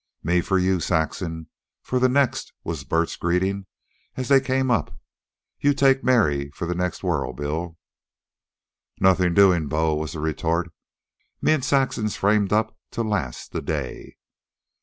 "Me for you, Saxon, for the next," was Bert's greeting, as they came up. "You take Mary for the next whirl, Bill." "Nothin' doin', Bo," was the retort. "Me an' Saxon's framed up to last the day."